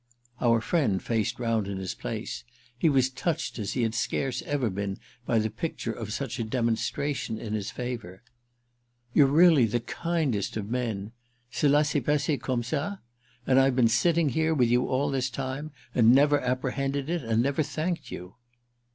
Our friend faced round in his place—he was touched as he had scarce ever been by the picture of such a demonstration in his favour. "You're really the kindest of men. Cela s'est passé comme ça?—and I've been sitting here with you all this time and never apprehended it and never thanked you!"